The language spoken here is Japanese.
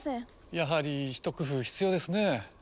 やはり一工夫必要ですねえ。